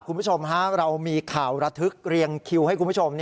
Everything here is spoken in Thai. คุณผู้ชมฮะเรามีข่าวระทึกเรียงคิวให้คุณผู้ชม